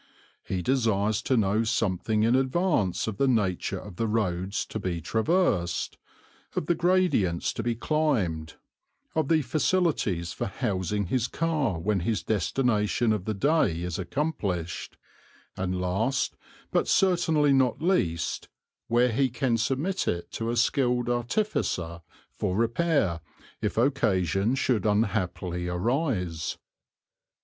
He desires to know something in advance of the nature of the roads to be traversed, of the gradients to be climbed, of the facilities for housing his car when his destination of the day is accomplished, and last, but certainly not least, where he can submit it to a skilled artificer for repair if occasion should unhappily arise.